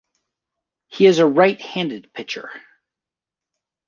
He is a right-handed pitcher.